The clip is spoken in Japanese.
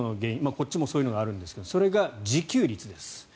こっちもそういうのがあるんですがそれが自給率です。